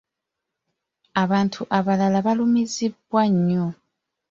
Abantu abalala baalumizibwa nnyo.